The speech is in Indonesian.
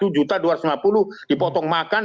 satu juta dua ratus lima puluh dipotong makan